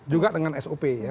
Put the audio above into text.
juga dengan sop